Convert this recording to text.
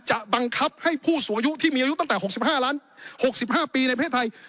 บังคับให้ผู้สูงอายุที่มีอายุตั้งแต่๖๕๖๕ปีในประเทศไทย